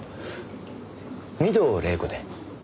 御堂黎子で。